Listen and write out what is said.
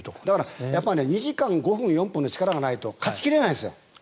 ２時間５分４分の力がないと、勝ち切れないですよ。